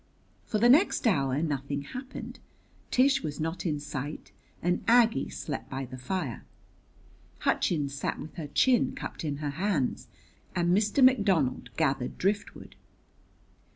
For the next hour nothing happened. Tish was not in sight and Aggie slept by the fire. Hutchins sat with her chin cupped in her hands, and Mr. McDonald gathered driftwood.